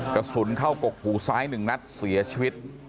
กระสุนเข้ากกหูซ้าย๑นัดเสียชีวิต